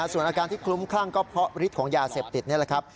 ส่วนอาการที่คลุ้มคลั่งก็เพราะฤทธิ์ของยาเสพติดนี่แหละครับ